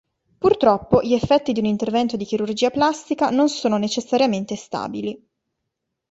Purtroppo, gli effetti di un intervento di chirurgia plastica non sono necessariamente stabili.